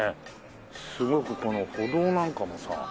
すごくこの歩道なんかもさ。